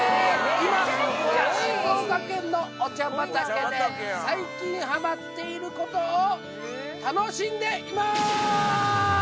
今、僕は静岡県のお茶畑で、最近はまっていることを楽しんでいまーす！